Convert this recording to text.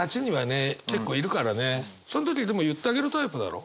その時でも言ってあげるタイプだろ？